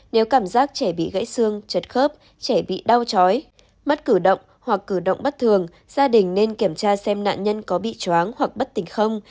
nếu cảm giác trẻ bị gãy xương chật khớp trẻ bị đau trói mắt cử động hoặc cử động bất thường gia đình nên kiểm tra xem nạn nhân có bị chóng hoặc bất tỉnh không